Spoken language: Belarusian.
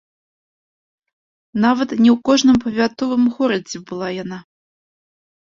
Нават не ў кожным павятовым горадзе была яна.